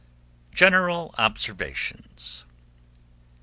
GENERAL OBSERVATIONS.